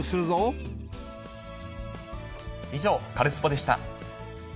以上、カルスポっ！でした。